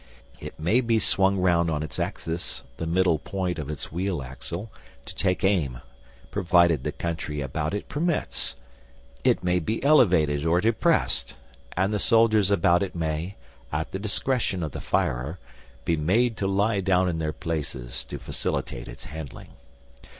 It may be swung round on its axis (the middle point of its wheel axle) to take aim, provided the Country about it permits; it may be elevated or depressed, and the soldiers about it may, at the discretion of the firer, be made to lie down in their places to facilitate its handling.